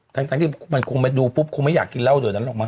ทั้งที่มันคงไปดูปุ๊บคงไม่อยากกินเหล้าเดี๋ยวนั้นหรอกมั